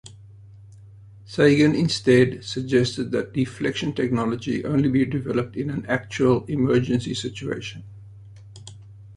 Sagan instead suggested that deflection technology only be developed in an actual emergency situation.